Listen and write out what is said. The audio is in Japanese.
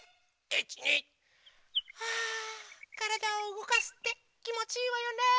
あからだをうごかすってきもちいいわよね。